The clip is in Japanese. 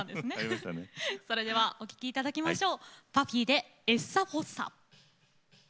それではお聴きいただきましょう。